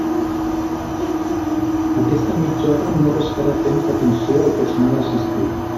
Aquesta mitja hora no restarà temps d'atenció al personal assistit.